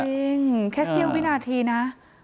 จริงแค่เสี้ยววินาทีนะ